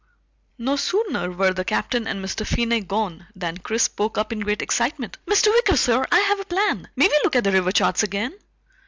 No sooner were the Captain and Mr. Finney gone than Chris spoke up in great excitement. "Mr. Wicker, sir, I have a plan! May we look at the river charts again?"